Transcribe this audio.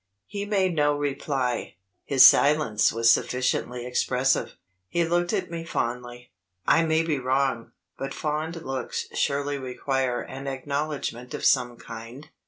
He made no reply. His silence was sufficiently expressive; he looked at me fondly. I may be wrong, but fond looks surely require an acknowledgment of some kind?